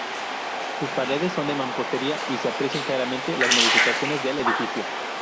Sus paredes son de mampostería y se aprecian claramente las modificaciones del edificio.